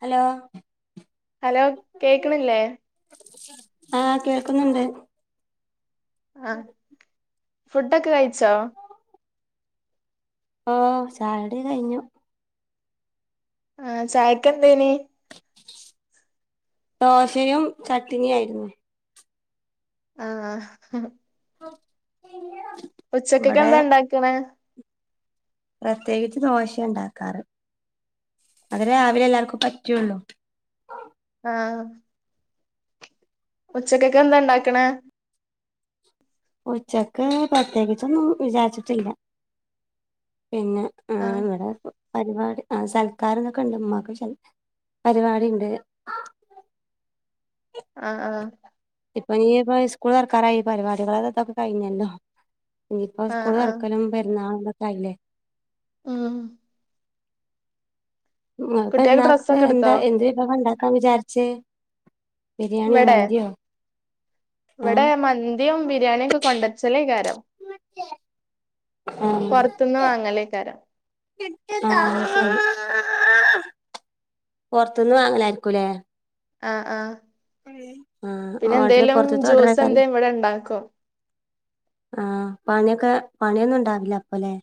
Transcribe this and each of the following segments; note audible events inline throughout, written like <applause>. Hello hello കേക്ക്ണില്ലേ ആഹ് കേൾക്കുന്നുണ്ട് ആഹ് ഫുഡൊക്കെ കഴിച്ചോ ഓഹ് ചായോടി കയിഞ്ഞു ആഹ് ചായക്കെന്തേനി ദോശയും ചട്ട്നിയായിരുന്നു ആഹ്. <inaudible> ഇവിടെ ഉച്ചക്കക്കെന്താ ണ്ടാക്ക്ണെ? പ്രത്യേകിച്ച് ദോശേ ണ്ടാക്കാറ്. അത് രാവിലെ എല്ലാർക്കും പറ്റുള്ളു. ആഹ് ഉച്ചക്കെക്കെന്താ ണ്ടാക്കണെ? ഉച്ചക്ക് പ്രത്യേകിച്ചൊന്നും വിചാരിച്ചിട്ടില്ല. പിന്നെ ആഹ് ന്താ ഏഹ് പ പരിപാടി ആഹ് സൽക്കാരന്നൊക്കെ ണ്ട്. ഇമ്മാക്ക് പരിപാടിണ്ട്. ആഹ് ആഹ് ഇപ്പഞ്ഞിപ്പൊ ഇ സ്കൂൾ തൊറക്കാനായി. പരിപാടികളെ ഇതൊക്കെ കഴിഞ്ഞല്ലോ. ഇഞ്ഞിപ്പോ ആ സ്കൂള് ആ തൊറക്കലും പെരുന്നാളും തൊക്കെ ആയില്ലേ. ആഹ് മ കുട്ടികൾക്ക് പെരുന്നാക്ക് ഡ്രസ്സൊക്കെ എന്താ എടുത്തോ എന്ത് വിഭവ ണ്ടാക്കാൻ വിചാരിച്ചേ. ബിരിയാണിയോ മന്ത്യോ. വടെ മന്തിം ബിരിയാണിയൊക്കെ കൊണ്ടരിച്ചലേക്കാരം. പൊർത്ത്ന്ന് വാങ്ങലേക്കാരം. ആഹ് പൊർത്ത്ന്ന് വാങ്ങലാരിക്കും ല്ലേ. ആഹ് ആഹ് ആ ഓർഡർ പിന്നെന്തേലും പൊറത്തത്തെ ജ്യൂസ ഓർഡറേക്കാരം ന്തേം ഇവിടെ ണ്ടാക്കും. ആഹ് പണിയൊക്കെ പണിയൊന്നുണ്ടാവില്ല പ്പോ ലേ.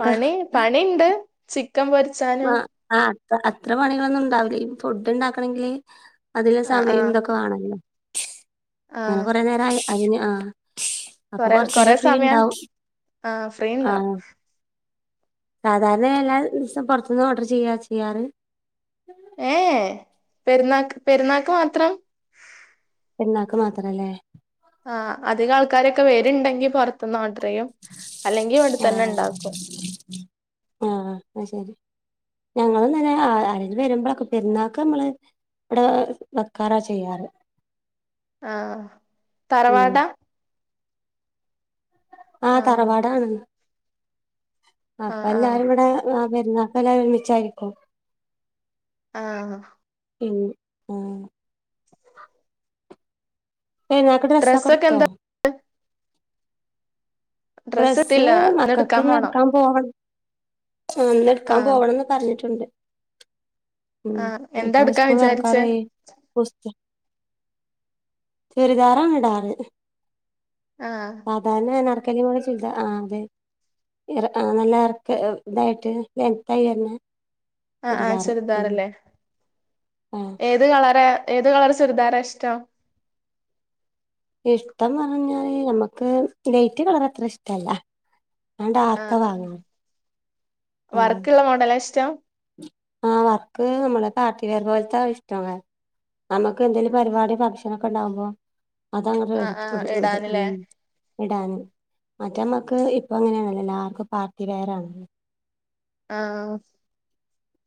പണി പണിണ്ട്. ചിക്കൻ പൊരി മ ആഹ് അത്ര അത്ര പണികളൊന്നും ണ്ടാവില്ലി. ഫുഡ് ണ്ടാക്കണെങ്കില് അതിലും ആ ആ സമയം തൊക്കെ വാണല്ലോ. ആ അങ്ങനെ കൊറേ നേരഅയിന് ആഹ് അപ്പൊ കൊറെ കൊറെ കൊറച്ചേരം ഫ്രീ സമയം ണ്ടാവും. ആ ഫ്രീ ഉണ്ടാവും ആഹ് സാധാരണ എല്ലാ ദിവസം പൊറത്ത്ന്ന് ഓർഡർ ചെയ്യ ചെയ്യാറ്. ഏഹ് ഏഹ്. പെരുന്നാക്ക് പെരുന്നാക്ക് മാത്രം. പെരുന്നാക്ക് മാത്ര ല്ലേ. ആഹ് അധികാൾക്കാരൊക്കെ വര്ണ്ടെങ്കി പൊറത്ത്ന്ന് ഓഡർ ചെയ്യും. അല്ലെങ്കി ഇവിടെ തന്നെ ണ്ടാക്കും. ആഹ് അയ്ശരി. ഞങ്ങളുംതന്നെ ആഹ് ആരേലും വരുമ്പളൊക്കെ പെരുന്നാക്ക് നമ്മള് വ്ടെ വെക്കാറാ ചെയ്യാറ്. ആഹ് ഉം തറവാടാ. ആ ആഹ് തറവാടാണ്. ആ അപ്പ ആ ല്ലാരും വിടെ ആഹ് പെര്ന്നാക്കല്ലാരും ഒരുമിച്ചായിരിക്കും. ആഹ് ഇൻ ആഹ് പെരുന്നാക്ക് ഡ്രസ്സൊക്കെ ഡ്രസ്സക്കടുത്തോ? എന്താ ഡ്രസ്സ് എടുത്തില്ല ഇന്ന് മക്കക്ക്ന്ന് പോണം എടുക്കാൻ പോവണം. ആഹ് ആ ന്നെടുക്കാൻ പോവണംന്ന് പറഞ്ഞിട്ടുണ്ട്. ഉം ആ ഞ്ഞി എന്താ പ്പൊ എടുക്കാൻ സ്കൂൾ വിചാരിച്ചേ തുറക്കാറായി. ബുസ് ചുരിദാറാണ് ഇടാറ്. ആഹ് സാധാരണ അനാർക്കലി പോലെ ചുരിദാർ. ആഹ് അതെ ആഹ് നല്ല ഇറക്ക ള്ളതായിട്ട്. എന്തയന്നെ ആഹ് ആഹ് ചുരിദാർല്ലേ. ആഹ് ഏത് കളറ ഏത് കളർ ചുരിദാറാ ഇഷ്ടോം.? ഇഷ്ടംന്ന് പറഞ്ഞഴിഞ്ഞാല് നമ്മക്ക് ലൈറ്റ് കളറ് അത്ര ഇഷ്ടല്ല ഞാൻ ഡാർക്കാ വാങ്ങ്ണത് വർക്ക്ള്ളെ മോഡലാ ഇഷ്ടം ആഹ് വർക്ക് നമ്മുടെ പാർട്ടിവെയർ പോലത്തെ അത് ഇഷ്ട നമ്മക്ക് എന്തേങ്കിലും പരിപാടി ഫംഗഷൻ ഒക്കെ ഉണ്ടാവുമ്പോ അതങ്ങട് ആ ഇട് ആ ഇട് ഇ ഇടാനല്ലേ ഇ ഇടാന് മറ്റമ്മക്ക് ഇപ്പ അങ്ങനേണല്ലോ എല്ലാർക്കും പാർട്ടി വെയർ ആണല്ലൊ ആഹ്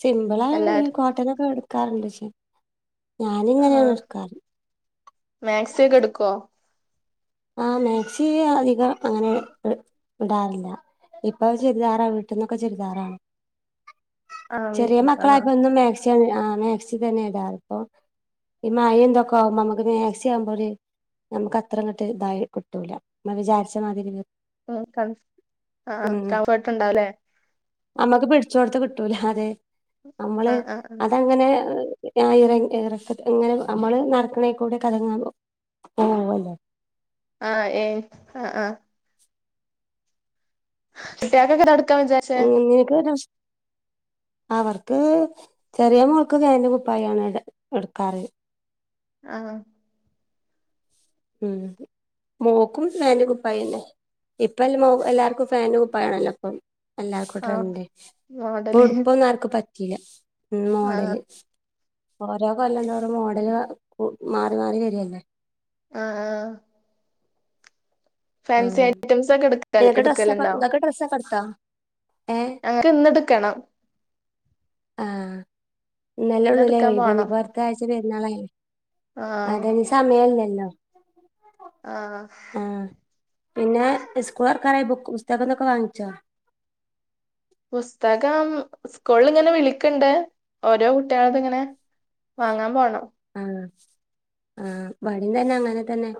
സിമ്പിളായെ എഹ്‌ കോട്ടനൊക്കെ എടുക്കാറുണ്ട് പക്ഷേ ഞാൻ ആ ഇങ്ങനെയാണ് ഇടുക്കാറ് മാക്സി ഒക്കെ എടുക്കോ ആഹ് മാക്സി അ അധികം അങ്ങനെ എ ഇടാറില്ല ഇപ്പൊ അത് ചുരിദാറാ വീട്ടിൽന്നൊക്കെ ചുരിദാറാണ് ആ ചെറിയ ആ മക്കളായപ്പോ എന്നും മാക്സി ആണ് ആഹ് മാക്സി തന്നെ ഇടാറ് ഇപ്പൊ ഈ മയിം ഇതൊക്കെ ആവുമ്പം നമ്മക്ക് മാക്സി ആവുമ്പോ ഒര് നമുക്ക് അത്രങ്ങ ട്ട് ഇതായി കിട്ടൂല നമ്മ വിചാരിച്ച മാതിരി ഉം കൺഫ് ആഹ് ഉം കംഫർട്ട് ഉണ്ടാവുലേ നമ്മക്ക് പിടിച്ചോട്ത്ത് കിട്ടൂല അതെ ആ നമ്മള് ആ അതങ്ങനെ ആഹ് ഇറ എറക്ക അങ്ങനെ നമ്മള് നടക്കണേക്കൂടെ കറങ്ങാൻ ഓ <unintelligible> ല്ലേ ആഹ് ഏൻ ആഹ് ആഹ് കുട്ട്യേക്കൊക്കെ തൊടക്കാൻ വിച ഉം നിനക്ക് <unintelligible> <inaudible> അവർക്ക് ചെറിയ മോൾക്ക് പേന്റും കുപ്പായാണ് ഇട് ഇടുക്കാറ് ആഹ് ഉം മോക്കും ഫാന്റും കുപ്പായന്നെ ഇപ്പ എല്ല മോ എല്ലാവർക്കും ഫാന്റും കുപ്പയ ആണല്ലോ അപ്പം എല്ലാവർക്കും ആ ട്രൻഡ് ഇപ്പൊ മോഡല് ഉടുപ്പൊന്നും ആർക്കും പറ്റീല്ല ഉം ആ മോഡല് ഓരോ കൊല്ലം തോറും മോഡല് കു മാറി മാറി വരെല്ലേ ആഹ് ഫാൻസി ആഹ് ഐറ്റംസ് ഒക്കെ എടുക്ക നിനക്ക് ഡ്രസ്സൊക്കെ എടുക്കലുണ്ടോ ഇങ്ങക്ക് ഡ്രസ്സൊക്കെ എടുത്തോ ഏഹ് അങ്ങ ഇത്‌ന്ന്ട്ക്കണം ആഹ് ഇന്ന് ഇന്നല്ലള്ളൂലേ എടുക്കാൻ ഒഴിവ് പോണം ഇനിപ്പോ അടുത്ത ആഴ്ച പെരുന്നാളായിലെ ആ അതന തമേൽ നല്ലൊ ആഹ് ആഹ് പിന്നെ ഇസ്കൂളൊർക്കാറായി ബുക്ക് പുസ്തകം ഇതൊക്കെ വാങ്ങിച്ചോ പുസ്തകം ഉസ്കൂളില്ങ്ങനെ വിളിക്ക്ണ്ട് ഓരോ കുട്ട്യേളത് ഇങ്ങനെ വാങ്ങാൻ പോണം ആഹ്‌ ആഹ്‌ ഇവടിം തന്നെ അങ്ങനെ തന്നെ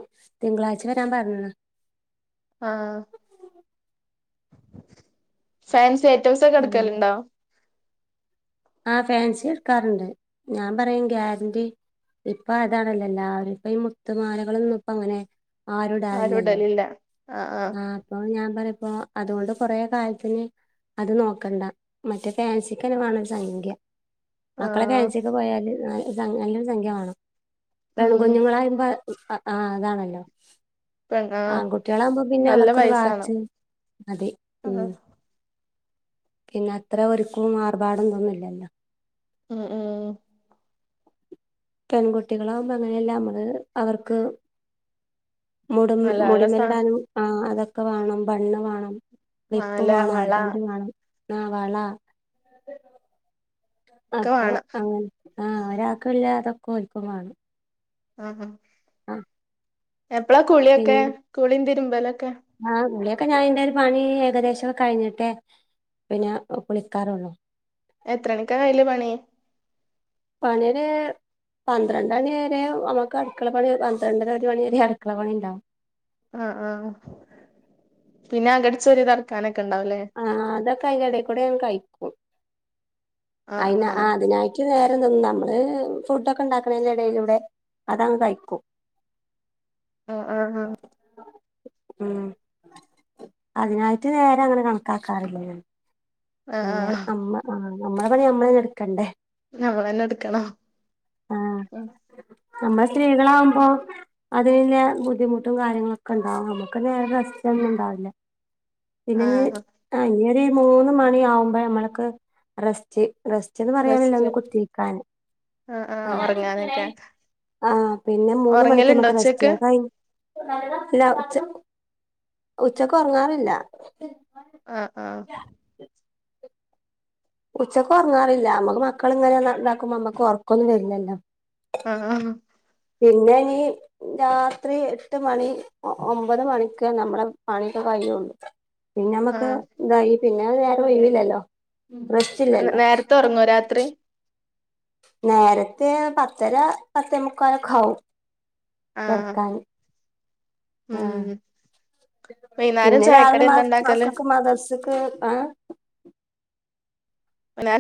തിങ്കളാഴ്ച വരാൻ പറഞ്ഞ്ണ് ആഹ്‌ ഫാൻസി അങ്ങനെ ഐറ്റംസൊക്കെട്ക്കലുണ്ടോ ആഹ് ഫാൻസി ഇട്ക്കാറുണ്ട് ഞാൻ പറയും ഗ്യാര്ന്റി ഇപ്പ അതാണല്ലോ എല്ലാരും ഇപ്പ ഈ മുത്തുമാലകളൊന്നും ഇപ്പ അങ്ങനെ ആരും ആരു ഇടാറില്ലല്ലോ ഇടലില്ല അഹ് ആഹ്‌ ആഹ് അപ്പൊ ഞാൻ പറി പ്പോ അതുകൊണ്ട് കൊറേ കാലത്തിന് അത് നോക്കണ്ട മറ്റേ ഫാൻസിക്കന്നെ മാണം ഒരു സംഖ്യ ആ മക്കളെ കാൻസിക്ക് പോയാല് നല്ല സം നല്ലൊരു സംഖ്യ മാണം ഉം പെൺകുഞ്ഞുങ്ങളാറിമ്പ ഉം അ ആ അതാണല്ലോ പെ ആ ആൺകുട്ടികളാവുമ്പോ പിന്നെ നല്ല അവർക്കൊരു പൈസാണ് വാച്ച് അതെ ആ ഉം പിന്നെ അത്ര ഒരുക്കും ആർഭാടം ഇതൊന്നുമില്ലല്ലോ. ഉ ഉം പെൺകുട്ടികളാവുമ്പോ അങ്ങനെയല്ലാ നമ്മള് അവർക്ക്. മുടും നല്ല നല്ല സാ മുടിമ്മേലിടാനും ആ അതൊക്കെ വേണം ബണ്ണ് വേണം ക്ലിപ്പ് മാല വാണം വള ആർബാന്റ് വേണം ആ വളാ ഒക്കെ അപ്പൊ വേണം അങ്ങനെ ആ ഒരാൾക്കൊല്ല അതൊക്കെ ഓൽക്കും വേണം. ആഹാ ആഹ് എപ്പളാ കുളിയൊക്കെ കുളീം തിരുമ്പലൊക്കെ ആ കുളിയൊക്കെ ഞാനെന്റെയൊരു പണി ഏകദേശൊക്കെ കഴിഞ്ഞിട്ടേ പിന്നെ കുളിക്കാറൊള്ളു. എത്ര മണിക്കൂറായില്ലെ പണി പണിയൊര് പന്ത്രണ്ടണിയരെ നമ്മക്ക് അടുക്കളപണി പന്ത്രണ്ടര ഒരുമണിവരെ അടുക്കള പണിയൊണ്ടാവും. ആ ആ പിന്നെ അകടിച്ചുവാരി തൊടക്കാനൊക്കെ ഒണ്ടാവുലേ. ആ അതൊക്കെ അയിന്റെടെക്കൂടെയങ്ങ് കഴിക്കും. ആഹ് അയ്നാ ആ ആഹ് അതിനായി ഇച്ചിരിനേരം നിന്നാ നമ്മക്ക് ഫുഡൊക്കെ ഒണ്ടാക്കണേന്റെ എടേലൂടെ അതങ്ങ് കഴിക്കും. അ അ അ ഉം അതിനായിട്ട് നേരങ്ങനെ കണക്കാക്കാറില്ല ഞാന്. ആഹ് പിന്നെ ആഹ് അമ്മ ആ നമ്മളെ പണി നമ്മളന്നെ എടുക്കണ്ടേ ഞമ്മളെന്നെ എടുക്കണം. ആഹ് നമ്മള് സ്ത്രീകളാവുമ്പോ അതുപിന്നെ ബുദ്ധിമുട്ടും കാര്യങ്ങളൊക്കെണ്ടാവും നമ്മക്കു പിന്നെ റസ്റ്റൊന്നും ഉണ്ടാവില്ല. പിന്നെ ഞ്ഞീ ആഹ് ആ ഇനിയൊരു മൂന്നുമണിയാവുമ്പേ ഞമ്മള്ക്ക് റസ്റ്റ് റസ് ചെന്ന് പറയാനില്ല റെസ്റ്റ് ഒന്ന് കുത്തിരിക്കാന്. ആഹ് ആ ആഹ് ഒറങ്ങാനൊക്കെ ആ പിന്നെ മൂന്നുമണിക്കാ ഒറങ്ങലുണ്ടോ ഞമ്മക്ക് റെസ്റ്റ് ഉച്ചക്ക് അത് കയി ഇല്ല ഉച്ച ഉച്ചക്കൊറങ്ങാറില്ല. ആ ആ ഉച്ചക്കൊറങ്ങാറില്ല ഞമ്മക്ക് മക്കളിങ്ങനെ ഇതാക്കുമ്പോ ഞമ്മക്ക് ഒറക്കൊന്നും വരില്ലല്ലോ. ആഹ് പിന്നെ നീ രാത്രി എട്ടുമണി ഒ ഒമ്പതുമണിക്കെ നമ്മളെ പണിയൊക്കെ കയ്യൊള്ളൂ പിന്നെ അമ്മക്ക് ആഹ് ഇതായി പിന്നെ ഒരുനേരം ഒഴിവില്ലല്ലോ റെസ്റ്റില്ലല്ലോ ഇപ്പം ഒറങ്ങുവോ രാത്രി നേരത്തെ പത്തര പത്തെമുക്കാലൊക്കെയാവും ആഹ് കെടക്കാന്. ഉം വൈന്നേരം പിന്നെ ചായക്കടി രാവിലെ എന്താ മസ് ഇണ്ടാക്കല് മക്കക്ക് മദർസെക്ക് ആ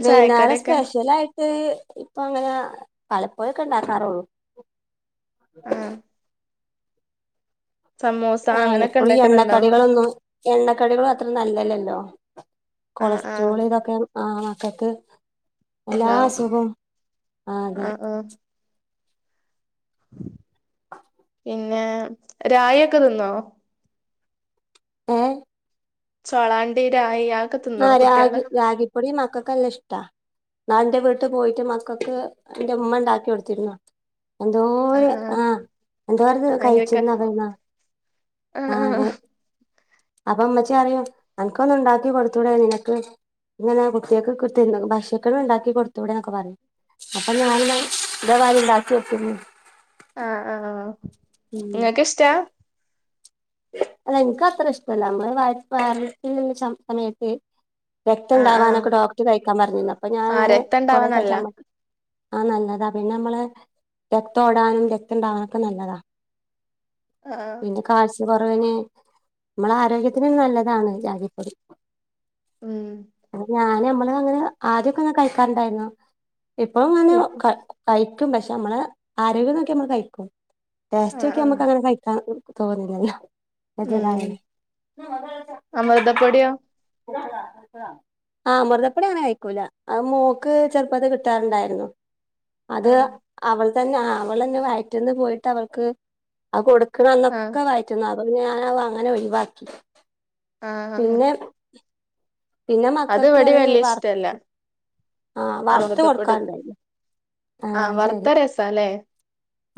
വൈന്നേരം സ്പെഷ്യലായി ട്ട് ഇപ്പങ്ങനെ വല്ലപ്പോഴൊക്കെ ഒണ്ടാക്കാറൊള്ളൂ. ആഹ് സമൂസ ആ അങ്ങനെയൊക്കെ എപ്പഴും ഈ ഉണ്ടാക്കലുണ്ടോ എണ്ണക്കടികളൊന്നും. എണ്ണക്കടികളും അത്ര നല്ലല്ലല്ലോ ആഹ് ആഹ് കൊളസ്ട്രോളും ഇതൊക്കെ ആ മക്കക്ക് എല്ലാ ഉണ്ടാവും അസുഖവും ആ അതെ ആഹ് ആഹ് പിന്നെ രായിയൊക്കെ തിന്നോ ഏ ചൊളാണ്ടിരായ് അ ആഹ് രാഗി രാഗിപ്പൊടി മക്കക്ക് നല്ല ഇഷ്ട്ടാ ന്നാൾ എന്റെ വീട്ടി പോയിട്ട് മക്കക്ക് എന്റെ ഉമ്മ എണ്ടാക്കി കൊടുത്തിരുന്നു എന്തോരു ആഹ് എന്തോരത് ഭയങ്കരക്ക കഴിച്ച് നറയുന്ന ആഹ് ആഹ് അപ്പ ഉമ്മച്ചി പറയും അനക്ക് ഒന്ന് ഇണ്ടാക്കി കൊടുത്തൂടെ നിനക്ക് ഇങ്ങനെ കുട്ടിക‌ക്ക് കിട്ടുന്ന ഭക്ഷക്കണം എണ്ടാക്കി കൊടുത്തൂടേന്നൊക്കെ പറയും അപ്പൊ ഞാനിന്ന് ഇതേമാതിരി ഇണ്ടാക്കി വെക്ക്ന്ന് ആഹ് ആഹ്‌ ഉം ഇങ്ങ‌ക്കിഷ്ട്ടാ അല്ല എനിക്ക് അത്ര ഇഷ്ട്ടല്ല നമ്മള് <unintelligible> സമയത്ത് രക്തം ആഹ് ആഹ് ഇണ്ടാവാനൊക്കെ ഡോക്ടർ കഴിക്കാൻ പറഞ്ഞിരുന്നു അപ്പൊ ഞാൻ ആഹ് അങ്ങനെ രക്തം കൊറെ ഉണ്ടാവാൻ കഴിച്ചാ നല്ലതാ നമ്മക്ക് ആഹ് നല്ലതാ പിന്നെ നമ്മള് രക്തം ഓടാനും രക്തം ഇണ്ടാവാനൊക്കെ നല്ലതാ ആഹ് ആഹ് പിന്നെ കാൽ സ്യക്കൊറവിന് നമ്മളാരോഗ്യത്തിനും നല്ലതാണ് റാഗിപ്പൊടി ഉം <inaudible> ഞാന് നമ്മള് അങ്ങനെ ആദ്യൊക്കെ ഇങ്ങനെ കഴിക്കാറിണ്ടായിരുന്നു ഇപ്പൊ ഇങ്ങനെ ഇപ്പൊ ക കഴിക്കും പക്ഷെ നമ്മള് ആരോഗ്യം നോക്കി നമ്മള് കഴിക്കും ടെസ്റ്റ് ആഹ് നോക്കിയ ആഹ് നമ്മക്കതൊന്നും കഴി ക്കാൻ തോന്നുന്നില്ല ഉം അമൃതപ്പൊടിയോ <unintelligible> ആഹ് അമൃതപ്പൊടി അങ്ങനെ കഴിക്കൂല അത് മോക്ക് ചെറുപ്പത്ത് കിട്ടാറിണ്ടായിരുന്നു അത് ആഹ് അവൾ തന്നെ ആഹ് അവളന്നെ വയറ്റിന്ന് പോയിട്ട് അവൾക്ക് അത് കൊടുക്കണ ആഹ് അന്നൊക്കെ വയിറ്റിന്ന് പോവും അപ്പൊ ഞാൻ അത് അങ്ങനെ ഒഴിവാക്കി ആഹ് പിന്നെ പിന്നെ അത് മക്കൾക്ക് ഇവടീം വലിയ ഇഷ്ട്ടല്ല ആഹ് വറത്ത് കൊടുക്കാൻ ഇണ്ടാരുന്ന് ആഹ് വർത്താ രസാല്ലേ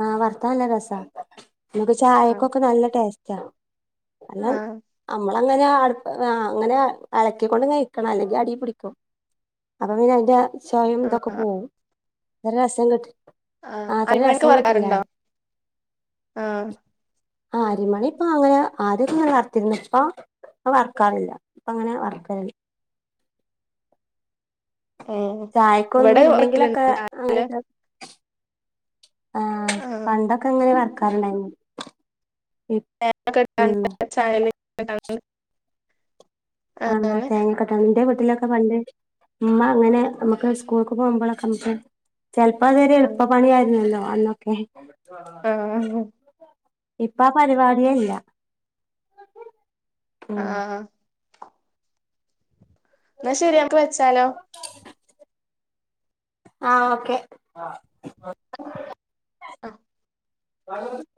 ആഹ് വറത്ത നല്ല രസാ നമുക്ക് ആഹ് ചായക്കൊക്കെ നല്ല ടേസ്റ്റാ <unintelligible> ആഹ് അങ്ങനാ അടു ആഹ് അങ്ങനാ എളക്കിക്കൊണ്ട് ഇങ്ങനെ ഇരിക്കണം അല്ലെങ്കി അടീ പിടിക്കും അപ്പ പിന്നെ അതിന്റാ ചൊവയും ഇതൊക്കെ ആഹ് പോകും ഒരു രസം കിട്ടി ആഹ് ആ അത്ര <unintelligible> രസം കിട്ടില്ല വറുക്കാറിണ്ടോ പറയും ആഹ് ആഹ് അരിമണി ഇപ്പ അങ്ങനെ ആദ്യോക്ക ഇങ്ങനെ വറത്തിരുന്നു ഇപ്പ ഇപ്പ വർക്കാറില്ല ഇപ്പ അങ്ങനെ വർക്കലില്ല ഏഹ് ചായക്കൊന്നും ഇവിടെ ഇല്ലെങ്കിലക്കെ വെക്കലുണ്ട് അങ്ങനെയൊക്കെ ആഹ് പണ്ടൊക്കെ ഇങ്ങനെ വറക്കാറിണ്ടായിരുന്നു ഇ <unintelligible> ആഹ് ന്നാ അങ്ങനെ തേങ്ങക്കെട്ടാണ്ട്‌ എന്റെ വീട്ടിലൊക്കെ പണ്ട് ഉമ്മ അങ്ങനെ നമുക്ക് സ്കൂൾക്ക് പോകുമ്പോളൊക്ക നമുക്ക് ചെലപ്പ അതൊരു ആഹ് എളുപ്പപ്പണിയാരുന്നല്ലോ അന്നൊക്കെ ആഹ് ഇപ്പ ആ പരിപാടിയെ ഇല്ല ഉം ആഹ് എന്നാ ശരി നമുക്ക് വെച്ചാലോ ആഹ് ഓക്കെ ആഹ് <unintelligible> അഹ് <unintelligible>